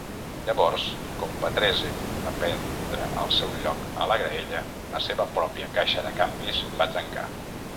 Llavors, com Patrese va prendre el seu lloc a la graella, la seva pròpia caixa de canvis va trencar.